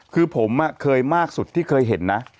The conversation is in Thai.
คือผมเคยมากสุดที่เคยเห็นนะ